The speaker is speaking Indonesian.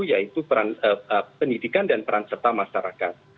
yaitu peran pendidikan dan peran serta masyarakat